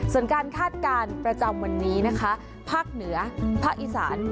ส่วนการคาดการณ์ประจำวันนี้นะคะภาคเหนือภาคอีสาน